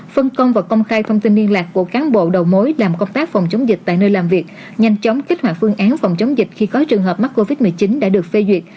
phân công và công khai thông tin liên lạc của cán bộ đầu mối làm công tác phòng chống dịch tại nơi làm việc nhanh chóng kích hoạt phương án phòng chống dịch khi có trường hợp mắc covid một mươi chín đã được phê duyệt